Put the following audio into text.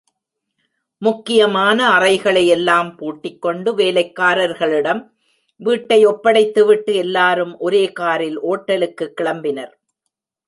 முக்கியமான அறைகளை எல்லாம் பூட்டிக்கொண்டு வேலைக்காரர்களிடம் வீட்டை ஒப்படைத்துவிட்டு, எல்லாரும் ஒரே காரில் ஓட்டலுக்கு கிளம்பினர்.